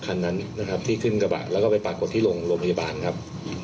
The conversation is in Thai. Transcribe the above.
คันนั้นนะครับที่ขึ้นกระบะแล้วก็ไปปรากฏที่โรงพยาบาลครับ